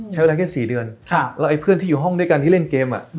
ใช้เวลาแค่๔เดือนแล้วไอ้เพื่อนที่อยู่ห้องด้วยกันที่เล่นเกม